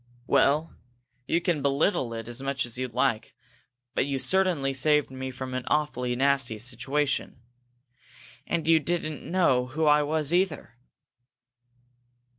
"Well, you can belittle it as much as you like, but you certainly saved me from an awfully nasty situation. And you didn't know who I was, either!"